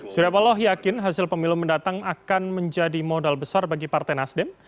surya paloh yakin hasil pemilu mendatang akan menjadi modal besar bagi partai nasdem